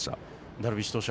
ダルビッシュ投手